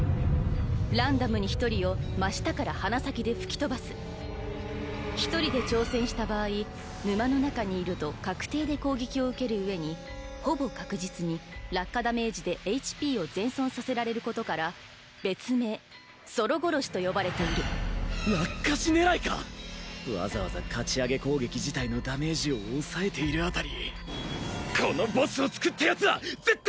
ランダムに１人を真下から鼻先で吹き飛ばす１人で挑戦した場合沼の中にいると確定で攻撃を受けるうえにほぼ確実に落下ダメージで ＨＰ を全損させられることから別名ソロ殺しと呼ばれているわざわざかち上げ攻撃自体のダメージを抑えているあたり